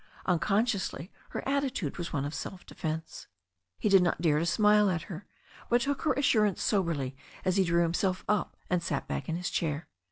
Un consciously her attitude was one of self defence. He did not dare to smile at her, but took her assurance soberly as he drew himself up and sat back in his chair.